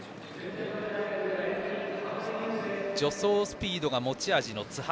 助走スピードが持ち味の津波。